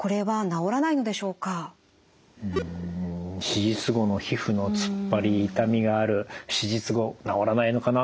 手術後の皮膚のつっぱり痛みがある手術後治らないのかな